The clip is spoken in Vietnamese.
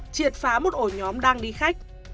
triệt phá một ổ nhóm đang đi khách